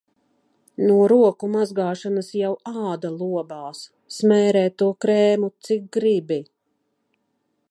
No roku mazgāšanas jau āda lobās, smērē to krēmu, cik gribi.